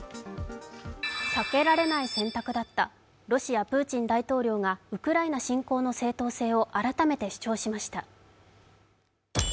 避けられない選択だった、ロシア・プーチン大統領がウクライナ侵攻の正当性を改めて主張しました。